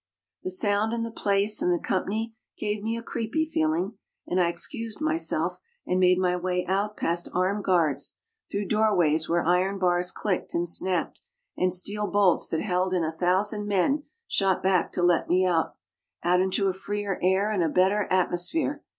The sound and the place and the company gave me a creepy feeling, and I excused myself and made my way out past armed guards, through doorways where iron bars clicked and snapped, and steel bolts that held in a thousand men shot back to let me out, out into a freer air and a better atmosphere.